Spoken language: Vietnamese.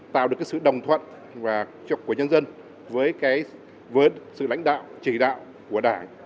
tạo được sự đồng thuận của nhân dân với sự lãnh đạo chỉ đạo của đảng